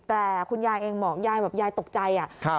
แต่คุณยายเองบอกยายแบบยายตกใจอะ